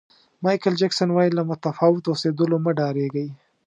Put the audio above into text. مایکل جکسن وایي له متفاوت اوسېدلو مه ډارېږئ.